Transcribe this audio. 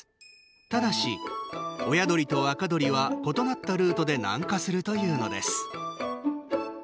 ただし、親鳥と若鳥は異なったルートで南下するというのです。